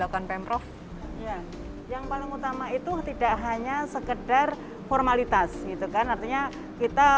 lakukan pemprov yang paling utama itu tidak hanya sekedar formalitas gitu kan artinya kita